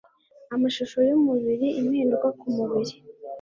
amashusho y'umubiri impinduka ku mubiri